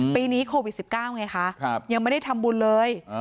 ปีนี้โควิด๑๙ไงคะยังไม่ได้ทำบุญเลย